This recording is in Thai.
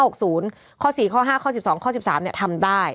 ข้อ๔ข้อ๕ข้อ๑๒ข้อ๑๓ทำได้